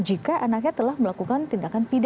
jika anaknya telah melakukan tindakan pidana